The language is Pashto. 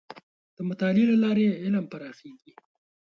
د مطالعې له لارې علم پراخېږي.